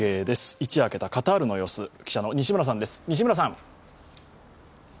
一夜明けたカタールの様子、記者の西村さんです。